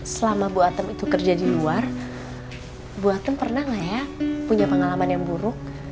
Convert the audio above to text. selama bu atem itu kerja di luar bu atem pernah nggak ya punya pengalaman yang buruk